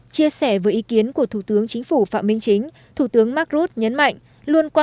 chia sẻ với ý kiến của thủ tướng chính phủ phạm minh chính thủ tướng mark ruth nhấn mạnh